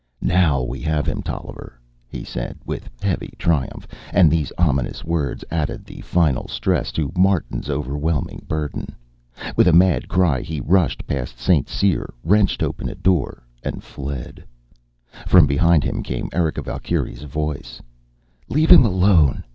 "Now we have him, Tolliver," he said, with heavy triumph, and these ominous words added the final stress to Martin's overwhelming burden. With a mad cry he rushed past St. Cyr, wrenched open a door, and fled. From behind him came Erika's Valkyrie voice. "Leave him alone!